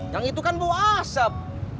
yang itu kan bawa asap